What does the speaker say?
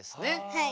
はい。